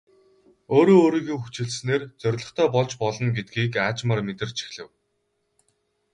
Өөрөө өөрийгөө хүчилснээр зорилготой болж болно гэдгийг аажмаар мэдэрч эхлэв.